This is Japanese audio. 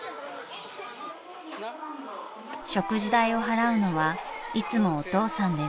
［食事代を払うのはいつもお父さんです］